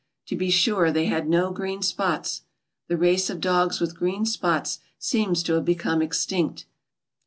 To be sure they had no green spots. The race of dogs with green spots seems to have become extinct.